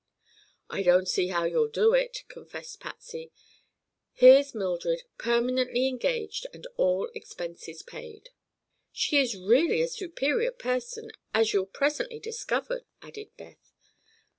"I don't see how you'll do it," confessed Patsy. "Here's Mildred, permanently engaged and all expenses paid." "She is really a superior person, as you'll presently discover," added Beth.